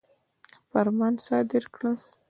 فرمان صادر کړ.